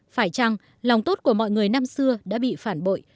phải chăng lòng tốt của mọi người năm xưa đã bị phản bội